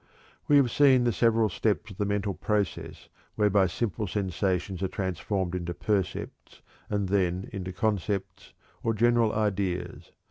We have seen the several steps of the mental process whereby simple sensations are transformed into percepts and then into concepts or general ideas.